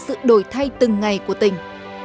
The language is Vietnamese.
sự đổi thay từng ngày của tỉnh